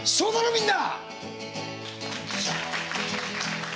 みんな！